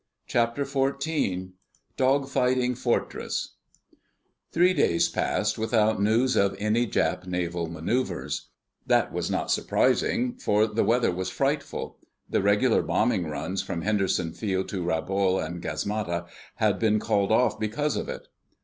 CHAPTER FOURTEEN DOGFIGHTING FORTRESS Three days passed without news of any Jap naval maneuvers. That was not surprising, for the weather was frightful. The regular bombing runs from Henderson Field to Rabaul and Gasmata had been called off because of it.